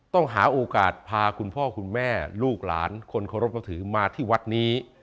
ต้องหาโอกาสพาคุณพ่อคุณแม่ลูกหลานคนเคารพนับถือมาที่วัดนี้